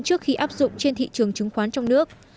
trước khi áp dụng trên thị trường chứng khoán trong nước